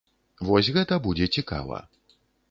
Вось гэта будзе цікава.